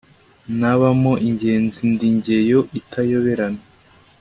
ntabamo ingenzi ndi Ngeyo itayoberana